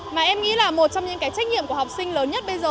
mà em nghĩ là một trong những cái trách nhiệm của học sinh lớn nhất bây giờ